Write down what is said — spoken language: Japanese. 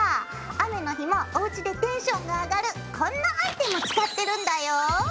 雨の日もおうちでテンションが上がるこんなアイテム使ってるんだよ！